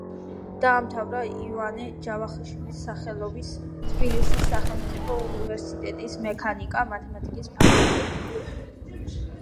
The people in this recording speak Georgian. დაამთავრა ივანე ჯავახიშვილის სახელობის თბილისის სახელმწიფო უნივერსიტეტის მექანიკა-მათემატიკის ფაკულტეტი.